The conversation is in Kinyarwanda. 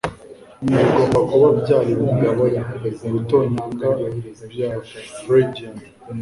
Ibi bigomba kuba byari bimwe mubitonyanga bya Freudian.